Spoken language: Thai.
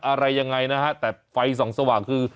อะไรยังไงนะฮะแต่ไฟส่องสว่างคือ